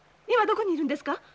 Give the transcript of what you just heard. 今どこにいるんですか？